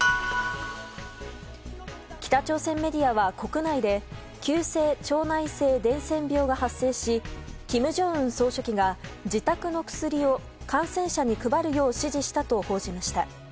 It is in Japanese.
北朝鮮メディアは国内で急性腸内性伝染病が発生し金正恩総書記が自宅の薬を感染者に配るよう指示したと報じました。